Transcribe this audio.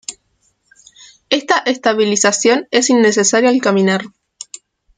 Esta estabilización es innecesaria al caminar.